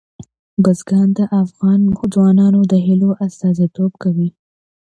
بزګان د افغان ځوانانو د هیلو استازیتوب کوي.